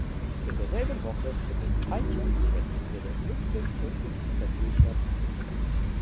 In derselben Woche finden zeitgleich jeweils Turniere in München und Istanbul statt.